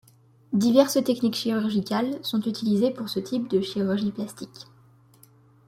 Diverses techniques chirurgicales sont utilisées pour ce type de chirurgie plastique.